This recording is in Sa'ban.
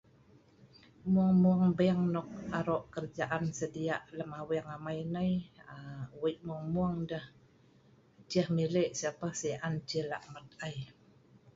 mueng mueng be'eng nok aro' kerajaan sedia lem aweng amai nai um wei' mueng mueng deh, ceh mele' sapah si an ceh la'an ai